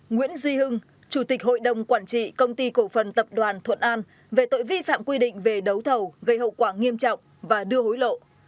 nguyễn duy hưng chủ tịch hội đồng quản trị công ty cổ phần tập đoàn thuận an về tội vi phạm quy định về đấu thầu gây hậu quả nghiêm trọng và đưa hối lộ